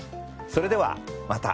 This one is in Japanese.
それではまた。